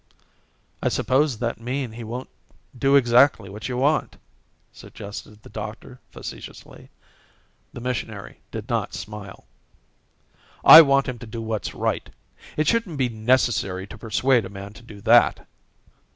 "I suppose that means he won't do exactly what you want," suggested the doctor facetiously. The missionary did not smile. "I want him to do what's right. It shouldn't be necessary to persuade a man to do that."